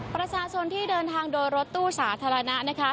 ประสาทส่วนที่เดินทางโดยรถตู้สาธารณะ